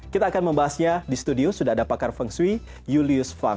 kita akan membahasnya di studio sudah ada pakar feng shui julius fang